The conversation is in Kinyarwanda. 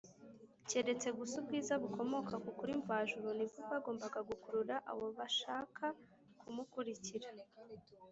. Keretse gusa ubwiza bukomoka ku kuri mvajuru nibwo bwagombaga gukurura abo bashaka ku mukurikira